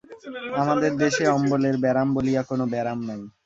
আমাদের দেশে অম্বলের ব্যারাম বলিয়া কোন ব্যারাম নাই।